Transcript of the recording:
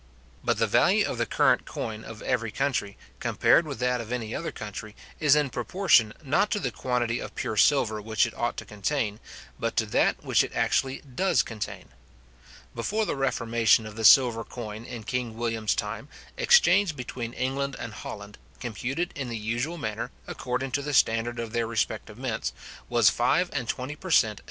But the value of the current coin of every country, compared with that of any other country, is in proportion, not to the quantity of pure silver which it ought to contain, but to that which it actually does contain. Before the reformation of the silver coin in King William's time, exchange between England and Holland, computed in the usual manner, according to the standard of their respective mints, was five and twenty per cent.